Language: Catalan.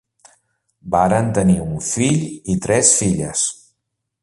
Varen tenir un fill i tres filles.